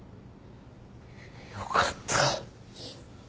よかった。